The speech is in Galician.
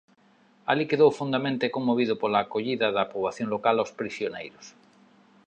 Alí quedou fondamente conmovido pola acollida da poboación local aos prisioneiros.